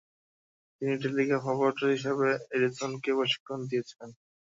তিনি telegraph operator হিসাবে এডিসনকে প্রশিক্ষণ দিয়েছিলেন।